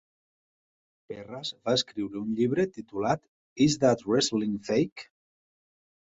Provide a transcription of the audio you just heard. Perras va escriure un llibre titulat "Is That Wrestling Fake"